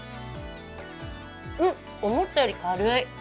思ったより、軽い。